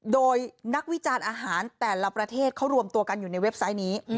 โดยนักวิจารณ์อาหารแต่ละประเทศเขารวมตัวกันอยู่ในเว็บไซต์นี้